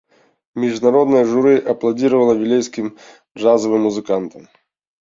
Міжнароднае журы апладзіравала вілейскім джазавым музыкантам.